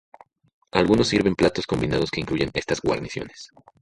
Algunos sirven platos combinados que incluyen estas guarniciones.